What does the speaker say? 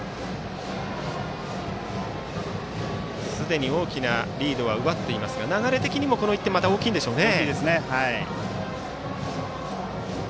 すでに大きなリードは奪っていますが流れ的にもこの１点は大きいですね。